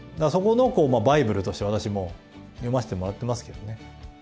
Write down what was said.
そこのバイブルとして私も読ませてもらってますけどね。